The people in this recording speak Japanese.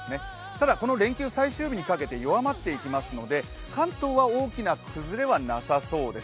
ただ、この連休最終日にかけて弱まっていきますので関東は大きな崩れはなさそうです。